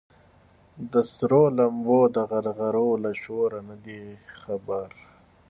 د سرو لمبو د غرغرو له شوره نه دي خبر